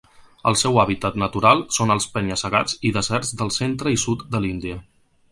El seu hàbitat natural són els penya-segats i deserts del centre i sud de l'Índia.